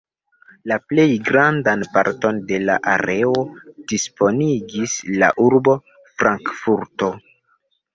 La plej grandan parton de la areo disponigis la urbo Frankfurto.